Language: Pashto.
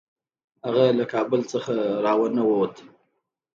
هغه له کابل څخه را ونه ووت.